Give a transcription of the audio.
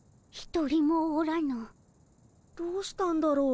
どうしたんだろう。